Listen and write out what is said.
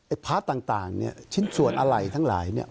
พาร์ทต่างเนี่ยชิ้นส่วนอะไรทั้งหลายเนี่ย